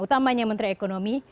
utamanya menteri ekonomi